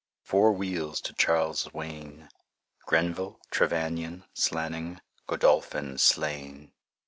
"Four wheels to Charles's wain: Grenville, Trevanion, Slanning, Godolphin slain."